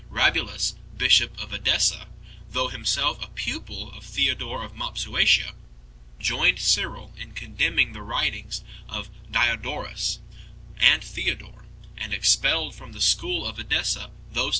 Kabul as bishop of Edessa, though himself a pupil of Theodore of Mopsuestia, joined Cyril in condemning the writings of Diodorus and Theo dore, and expelled from the school of Edessa those teachers 1 Sermon I.